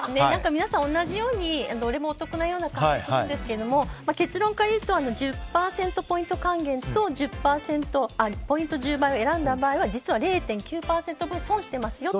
皆さん、同じようにどれもお得なような感じがするんですけど結論からいうと１０％ポイント還元と１０倍を選んだ場合は実は０．９％分、損してますよと。